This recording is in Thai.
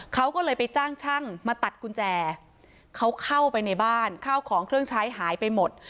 เขาก็เลยไปจ้างช่างมาตัดกุญแจเขาเข้าไปในบ้านข้าวของเครื่องใช้หายไปหมด